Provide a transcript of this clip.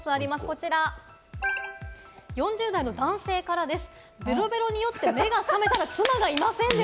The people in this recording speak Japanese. こちら、４０代の男性からです。